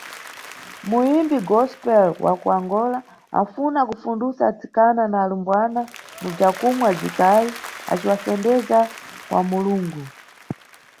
Muyimbi gospel wa kuAngola anfuna kufundusa atsikana na alumbwana mʼbzwakumwa bzwikali, aciwafendeza kwa Mulungu.